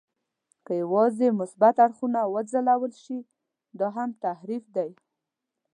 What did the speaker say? که یوازې مثبت اړخونه وځلول شي، دا هم تحریف دی.